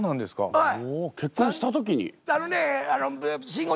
はい。